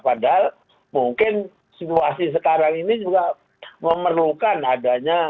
padahal mungkin situasi sekarang ini juga memerlukan adanya